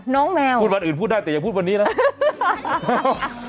แมวพูดวันอื่นพูดได้แต่อย่าพูดวันนี้นะ